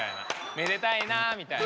めでたいなみたいな。